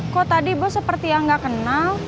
kok tadi bos seperti yang nggak kenal